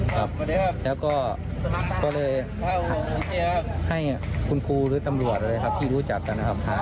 ครับสวัสดีครับแล้วก็ก็เลยให้คุณครูหรือตำรวจเลยครับที่รู้จักกันนะครับ